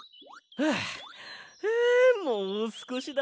はあもうすこしだ！